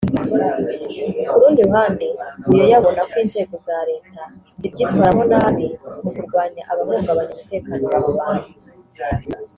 Ku rundi ruhande Buyoya abona ko inzego za leta zibyitwaramo nabi mu kurwanya abahungabanya umutekano wa rubanda